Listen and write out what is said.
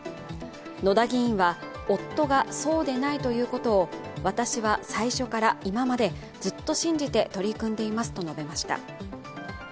野田議員は夫がそうでないということを、私は最初から今までずっと信じて取り組んでいますと述べました。